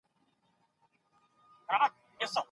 ژوند به وڅرخېږي .